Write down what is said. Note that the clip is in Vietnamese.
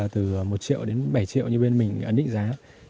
từ một triệu đến bảy triệu như bên mình ấn định giá